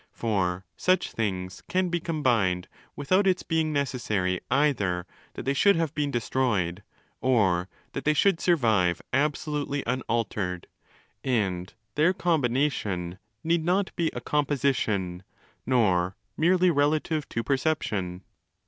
For such things can be 'combined' without its being necessary ezther that they should have been destroyed or that they should survive absolutely un altered: and their 'combination' need not be a 'composition', nor merely 'relative to perception'.